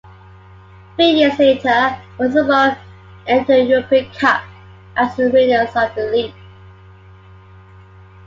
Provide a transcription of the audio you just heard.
Three years later, Rosenborg entered the European Cup as winners of the league.